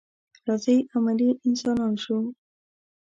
راځئ عملي انسانان شو.